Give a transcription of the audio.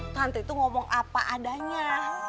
tante itu ngomong apa adanya